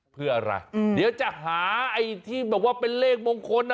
เพื่ออะไรเดี๋ยวจะหาไอ้ที่แบบว่าเป็นเลขมงคล